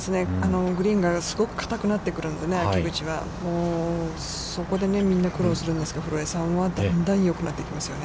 グリーンが、すごく硬くなってくるんでね、秋口は、もうそこでみんな苦労するんですけれども、古江さんはだんだん、よくなっていきますよね。